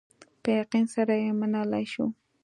په یقین سره یې منلای شو.